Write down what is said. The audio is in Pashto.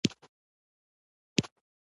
نه تر څنډی د کوهي سوای ورختلای